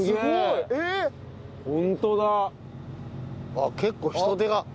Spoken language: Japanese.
ああ結構人出が。